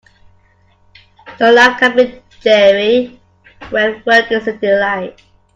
No life can be dreary when work is a delight.